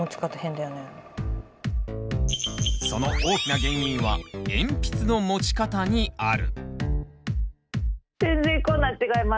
その大きな原因は鉛筆の持ち方にある。